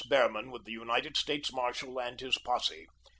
Behrman with the United States marshal and his posse.